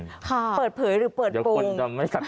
ค่ะเดี๋ยวคนจะไม่สะท้าเปิดเผยหรือเปิดปรุง